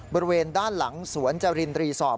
บริเวณด้านหลังสวนจรินรีสอร์ท